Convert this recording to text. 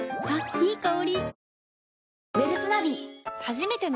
いい香り。